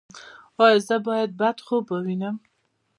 ایا زه باید بد خوب ووینم؟